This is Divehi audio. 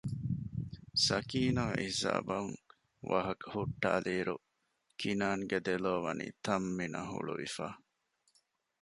ސަކީނާ އެހިސާބުން ވާހަކަ ހުއްޓައިލިއިރު ކިނާންގެ ދެލޯވަނީ ތަންމިނަށް ހުޅުވިފަ